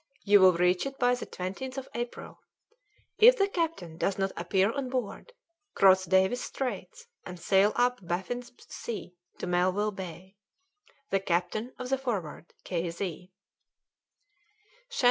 You will reach it by the 20th of April. If the captain does not appear on board, cross Davis's Straits, and sail up Baffin's Sea to Melville Bay. "THE CAPTAIN OF THE 'FORWARD,' "K. Z."